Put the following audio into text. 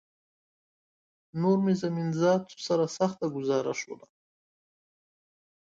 نور مې زمین ذاتو سره سخته ګوزاره شوله